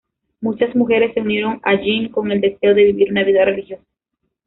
Muchas mujeres se unieron a Jeanne con el deseo de vivir una vida religiosa.